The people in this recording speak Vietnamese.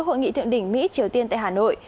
hội nghị thượng đỉnh mỹ triều tiên tại hà nội